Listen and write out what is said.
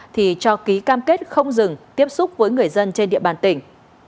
thì cho ký cam kết không dừng tiếp xúc với người dân trên địa bàn tỉnh